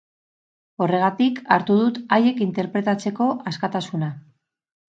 Horregatik hartu dut haiek interpretatzeko askatasuna.